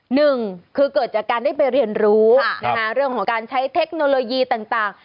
หนึ่งคือเกิดจากการได้ไปเรียนรู้เรื่องของการใช้เทคโนโลยีต่าง